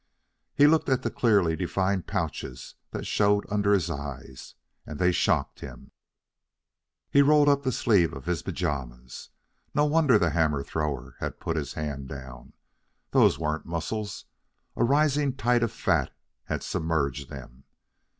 He looked at the clearly defined pouches that showed under his eyes, and they've shocked him. He rolled up the sleeve of his pajamas. No wonder the hammer thrower had put his hand down. Those weren't muscles. A rising tide of fat had submerged them.